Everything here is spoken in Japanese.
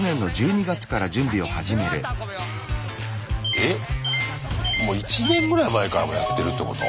えっもう１年ぐらい前からやってるってこと？